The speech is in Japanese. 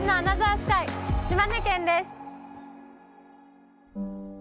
スカイ島根県です。